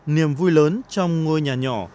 nhiềm vui lớn trong ngôi nhà nhỏ